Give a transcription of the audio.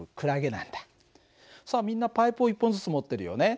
さあみんなパイプを１本ずつ持ってるよね。